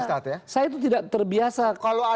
saya itu tidak terbiasa